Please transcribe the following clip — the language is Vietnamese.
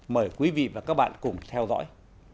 mời quý vị và các bạn cùng theo dõi